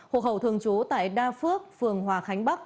hồ hậu thường chú tại đa phước phường hòa khánh bắc